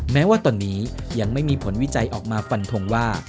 แม้ว่าตอนนี้ยังไม่มีผลวิจัยออกมาฟันทงว่า